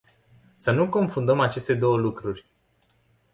Să nu confundăm aceste două lucruri.